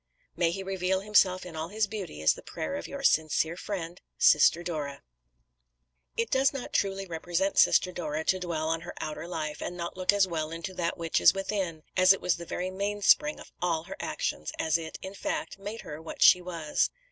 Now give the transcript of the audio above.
May He reveal Himself in all His beauty is the prayer of Your sincere friend, SISTER DORA. It does not truly represent Sister Dora to dwell on her outer life, and not look as well into that which is within, as it was the very mainspring of all her actions, as it, in fact, made her what she was.